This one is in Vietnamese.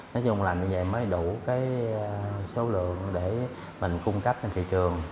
nói chung là như vậy mới đủ cái số lượng để mình cung cấp trên thị trường